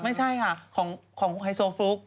ไม่ใช่ค่ะของไฮโซฟลุ๊ก